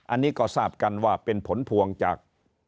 อันนี้ก็ทราบกันว่าเป็นผลพวงจาก